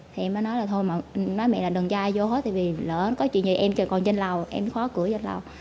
thì em mới nói là thôi mà nói mẹ là đừng cho ai vô hết vì lỡ có chuyện gì em còn trên lầu em khóa cửa trên lầu